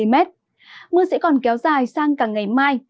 mưa sẽ còn kéo dài sang cả ngày mai